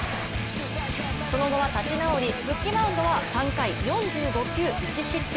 その後は立ち直り復帰マウンドは３回４５球１失点。